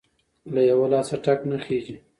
ـ له يوه لاسه ټک نخيژي.